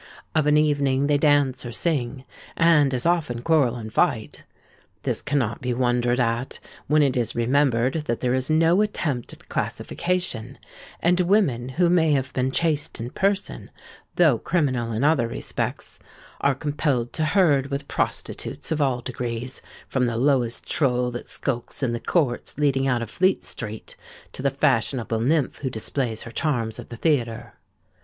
Of an evening they dance or sing,—and as often quarrel and fight. This cannot be wondered at, when it is remembered that there is no attempt at classification; and women who may have been chaste in person, though criminal in other respects, are compelled to herd with prostitutes of all degrees, from the lowest trull that skulks in the courts leading out of Fleet Street to the fashionable nymph who displays her charms at the theatre.